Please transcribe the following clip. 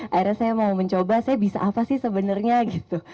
akhirnya saya mau mencoba saya bisa apa sih sebenarnya gitu